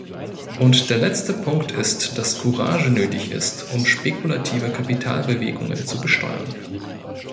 Und der letzte Punkt ist, dass Courage nötig ist, um spekulative Kapitalbewegungen zu besteuern.